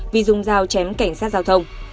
vì dùng dao chém cảnh sát giao thông